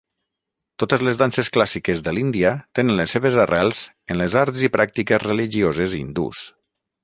Totes les danses clàssiques de l'Índia tenen les seves arrels en les arts i pràctiques religioses hindús.